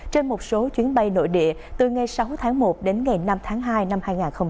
trên một số chuyến bay nội địa từ ngày sáu tháng một đến ngày năm tháng hai năm hai nghìn hai mươi